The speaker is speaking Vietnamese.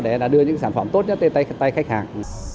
để đưa những sản phẩm tốt nhất đến tay khách hàng